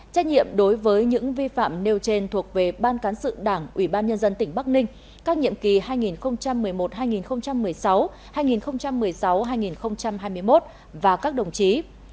trách nhiệm đối với những vi phạm nêu trên thuộc về ban cán sự đảng ủy ban nhân dân tỉnh bắc ninh các nhiệm kỳ hai nghìn một mươi một hai nghìn một mươi sáu hai nghìn một mươi sáu hai nghìn hai mươi một và các đồng chí